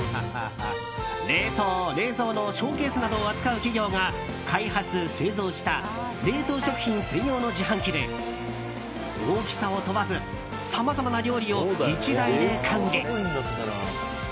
冷凍・冷蔵のショーケースなどを扱う企業が開発・製造した冷凍食品専用の自販機で大きさを問わずさまざまな料理を１台で管理。